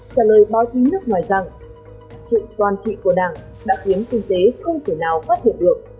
trả lời báo chí nước ngoài rằng sự toàn trị của đảng đã khiến kinh tế không thể nào phát triển được